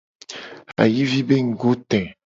Ayivi be ngugo te.